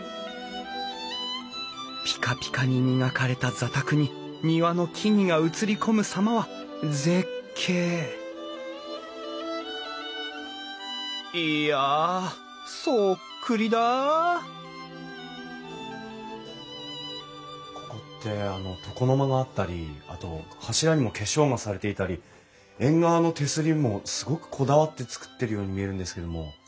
ピカピカに磨かれた座卓に庭の木々が映り込むさまは絶景いやそっくりだあここって床の間があったりあと柱にも化粧がされていたり縁側の手すりもすごくこだわって造ってるように見えるんですけども。